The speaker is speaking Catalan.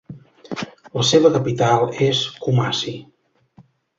La seva capital és Kumasi.